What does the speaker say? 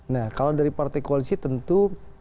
nah kalau dari partai koalisi tentu